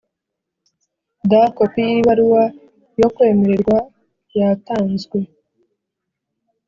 D Kopi Y Ibaruwa Yo Kwemererwa Yatanzwe